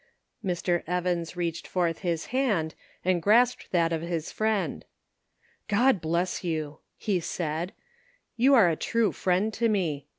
Mr. Evans reached forth his hand and grasped that of his friend. " God bless you !" he said ;" you are a true friend to me.